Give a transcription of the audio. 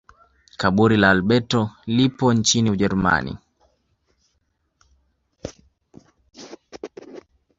Kaburi la Albert lipo nchini Ujerumani